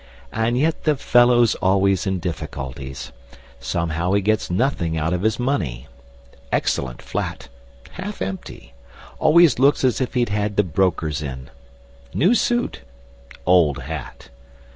And yet the fellow's always in difficulties. Somehow he gets nothing out of his money. Excellent flat half empty! Always looks as if he'd had the brokers in. New suit old hat!